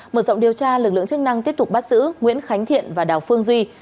mở rộng điều tra lực lượng chức năng tiếp tục bắt giữ nguyễn khánh thiện và đào phương duy